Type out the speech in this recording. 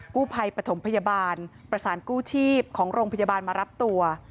กู้ภัยปฐมพยาบาลประสานกู้ชีพของโรงพยาบาลมารับตัว